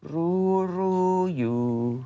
รู้รู้อยู่